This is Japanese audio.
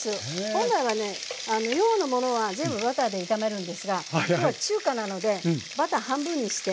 本来はね洋のものは全部バターで炒めるんですが今日は中華なのでバター半分にして。